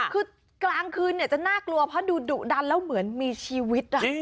คือกลางคืนจะน่ากลัวเพราะดูดุดันแล้วเหมือนมีชีวิต